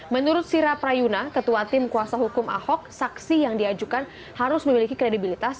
menurut sira prayuna ketua tim kuasa hukum ahok saksi yang diajukan harus memiliki kredibilitas